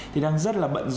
thì đang rất là bận rộn